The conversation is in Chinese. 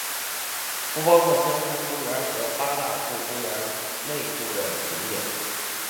不包括香山公园和八大处公园内部的景点。